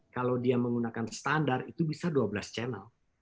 kalau dia menggunakan standar itu bisa dua belas channel